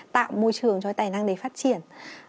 tạo môi trường cho tài năng để phát triển